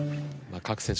各選手